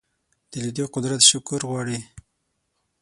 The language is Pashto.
د لیدلو قدرت شکر غواړي